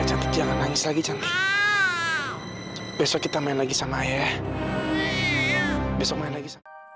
cantik jangan nangis lagi cantik besok kita main lagi sama ayah besok main lagi sama